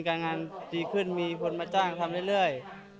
การงานดีขึ้นมีคนมาจ้างทำเรื่อย